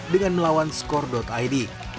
dengan melawan skor id